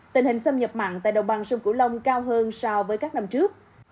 tình hình xâm nhập mặn tại đồng bằng sông cửu long cao hơn so với các năm trước